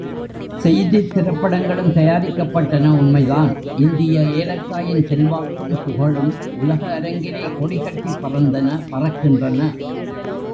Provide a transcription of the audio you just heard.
செய்தித் திரைப்படங்களும் தயாரிக்கப்பட்டன உண்மை தான்! —இந்திய ஏலக்காயின் செல்வாக்கும் புகழும் உலக அரங்கிலே கொடிகட்டிப் பறந்தன பறக்கின்றன.